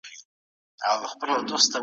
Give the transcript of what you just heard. سور او طلایی رنګ.